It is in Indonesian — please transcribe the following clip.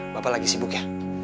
bapak lagi sibuk ya